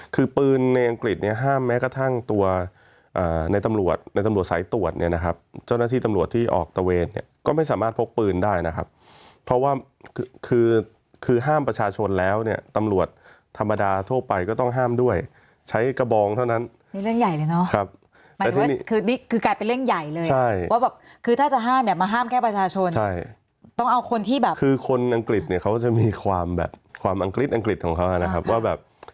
คือปืนในอังกฤษเนี่ยห้ามแม้กระทั่งตัวในตำรวจในตำรวจสายตรวจเนี่ยนะครับเจ้าหน้าที่ตำรวจที่ออกตระเวทเนี่ยก็ไม่สามารถพกปืนได้นะครับเพราะว่าคือห้ามประชาชนแล้วเนี่ยตำรวจธรรมดาทั่วไปก็ต้องห้ามด้วยใช้กระบองเท่านั้นนี่เรื่องใหญ่เลยเนาะครับหมายถึงว่านี่คือกลายเป็นเรื่องใหญ่เลย